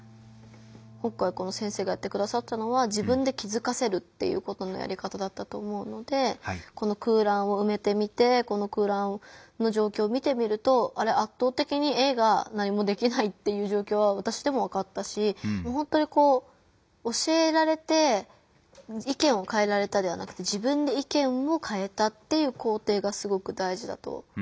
今回この先生がやってくださったのは自分で気づかせるっていうことのやり方だったと思うのでこの空欄をうめてみてこの空欄の状況を見てみると圧倒的にＡが何もできないっていう状況は私でもわかったしほんとにこう教えられて意見を変えられたではなくて自分で意見を変えたっていう工程がすごくだいじだと。